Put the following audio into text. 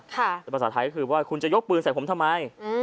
แต่ภาษาไทยก็คือว่าคุณจะยกปืนใส่ผมทำไม